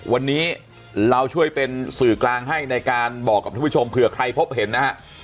วันนี้เราช่วยเป็นสื่อกลางให้ในการบอกกับทุกผู้ชมเผื่อใครพบเห็นนะฮะ